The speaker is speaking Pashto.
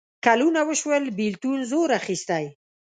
کلونه وشول بېلتون زور اخیستی.